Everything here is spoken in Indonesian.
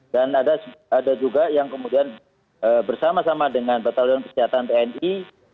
dan ada juga yang kemudian bersama sama dengan batalion kesehatan bni